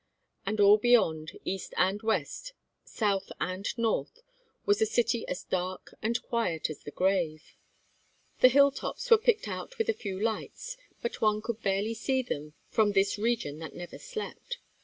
And all beyond, east and west, south and north, was a city as dark and quiet as the grave. The hill tops were picked out with a few lights, but one could barely see them from this region that never slept.